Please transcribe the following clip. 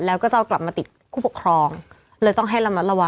แล้วก็จะเอากลับมาติดผู้ปกครองเลยต้องให้ระมัดระวัง